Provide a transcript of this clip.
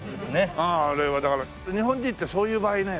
あれはだから日本人ってそういう場合ね